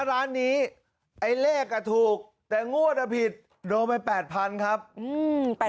ร้านนี้ไอ้เลขอ่ะถูกแต่งวดอ่ะผิดโดนไปแปดพันครับอืม